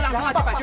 lama aja pak jun